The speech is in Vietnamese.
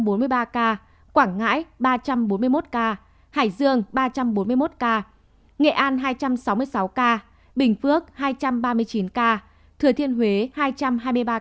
quảng ngãi ba trăm bốn mươi một ca hải dương ba trăm bốn mươi một ca nghệ an hai trăm sáu mươi sáu ca bình phước hai trăm ba mươi chín ca thừa thiên huế hai trăm hai mươi ba ca